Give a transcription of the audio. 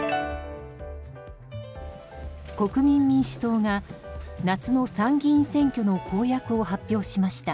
国民民主党が夏の参議院選挙の公約を発表しました。